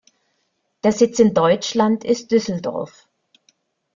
Der Sitz in Deutschland ist Düsseldorf.